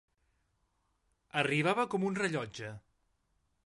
Arribava com un rellotge.